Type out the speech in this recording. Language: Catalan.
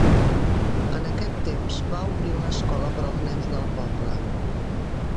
En aquest temps va obrir una escola per als nens del poble.